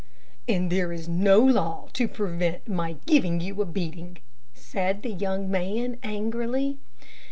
"And there is no law to prevent my giving you a beating," said the young man, angrily.